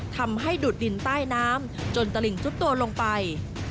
ทำให้ดูดดินใต้น้ำจนตลิ่งสุดตัวลงไป